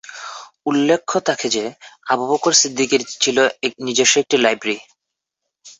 উল্লেখ থাকে যে, আবু বকর সিদ্দিকীর ছিল নিজস্ব একটি লাইব্রেরী।